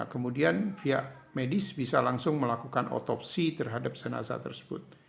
kemudian pihak medis bisa langsung melakukan otopsi terhadap jenazah tersebut